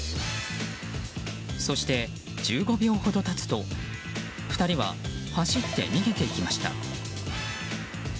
そして、１５秒ほど経つと２人は走って逃げていきました。